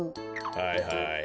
はいはい。